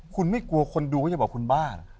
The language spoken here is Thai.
คุณไม่กลัวคนดูก็จะบอกคุณบ้าเหรอ